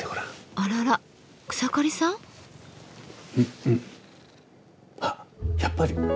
あらら草刈さん？あっやっぱり。